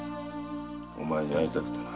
お前に会いたくてな。